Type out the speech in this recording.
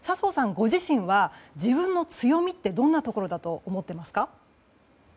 ご自身は自分の強みってどんなところだと思っていますか？